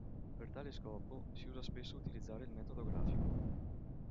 Per tale scopo, si usa spesso utilizzare il metodo grafico.